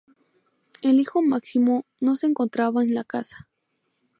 El hijo Máximo, no se encontraba en la casa.